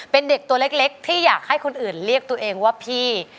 เป็นเด็กตัวเล็กที่อยากให้คนอื่นเรียกตัวเองว่าพี่